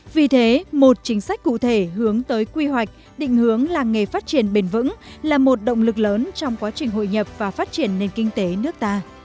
vì thế một chính sách cụ thể hướng tới quy hoạch định hướng làng nghề phát triển bền vững là một động lực lớn trong quá trình hội nhập và phát triển nền kinh tế nước ta